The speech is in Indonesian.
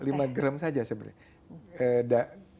lima gram saja sebenarnya